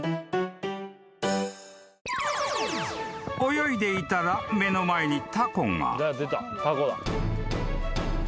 ［泳いでいたら目の前にタコが］